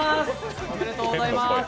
おめでとうございます。